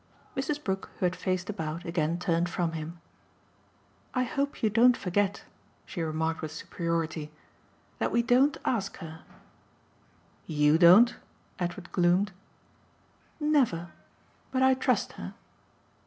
Mrs. Brook, who had faced about, again turned from him. "I hope you don't forget," she remarked with superiority, "that we don't ask her." "YOU don't?" Edward gloomed. "Never. But I trust her."